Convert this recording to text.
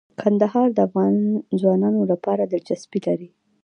کندهار د افغان ځوانانو لپاره دلچسپي لري.